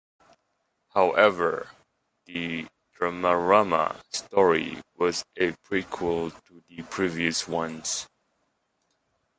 However, the "Dramarama" story was a prequel to the previous ones.